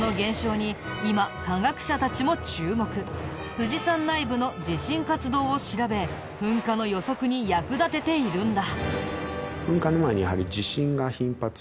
富士山内部の地震活動を調べ噴火の予測に役立てているんだ。